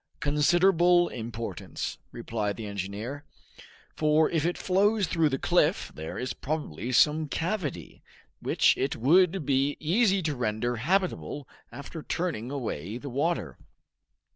"Considerable importance," replied the engineer; "for if it flows through the cliff there is probably some cavity, which it would be easy to render habitable after turning away the water."